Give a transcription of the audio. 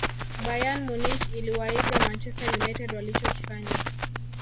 bayern munich iliwaiga manchester united walichokifanya